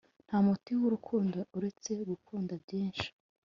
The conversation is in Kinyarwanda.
nta muti w'urukundo uretse gukunda byinshi